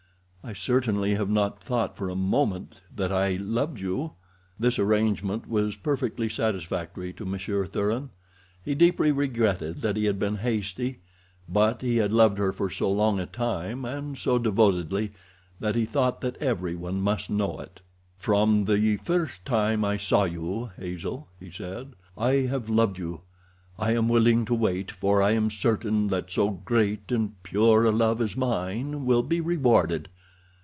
I certainly have not thought for a moment that I loved you." This arrangement was perfectly satisfactory to Monsieur Thuran. He deeply regretted that he had been hasty, but he had loved her for so long a time, and so devotedly, that he thought that every one must know it. "From the first time I saw you, Hazel," he said, "I have loved you. I am willing to wait, for I am certain that so great and pure a love as mine will be rewarded.